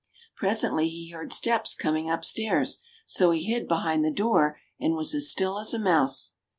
Presently he heard steps coming upstairs, so he hid be hind the door, and was as still as a mouse.